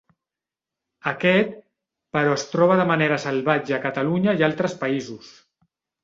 Aquest però es troba de manera salvatge a Catalunya i altres països.